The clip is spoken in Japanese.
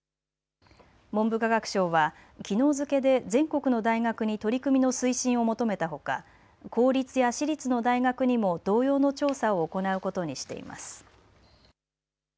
文部科学省はきのう付けで全国の大学に取り組みの推進を求めたほか、公立や私立の大学にも同様の調査を行うことにしています。